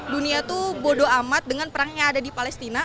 dunia itu bodoh amat dengan perang yang ada di palestina